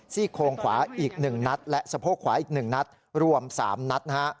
ซี่โครงขวาอีก๑นัดและสะโพกขวาอีก๑นัดรวม๓นัดนะฮะ